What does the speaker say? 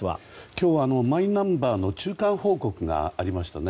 今日マイナンバーの中間報告がありましたね。